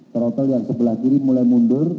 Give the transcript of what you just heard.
trotel yang sebelah kiri mulai mundur